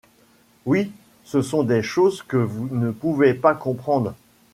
Oui, ce sont des choses que vous ne pouvez pas comprendre.